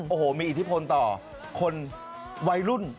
โอ้โหมีอิทธิพลต่อคนวัยรุ่น